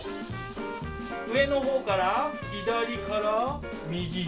上の方から左から右。